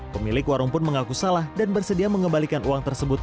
pemilik warung pun mengaku salah dan bersedia mengembalikan uang tersebut